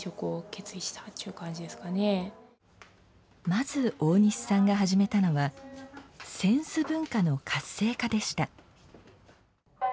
まず、大西さんが始めたのは扇子文化の活性化でした。